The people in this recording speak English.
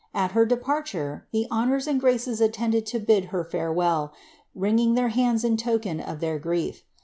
At her depariure, the hours and graces aitenJed lo bid her farewell , wringing their bands in token of their grief.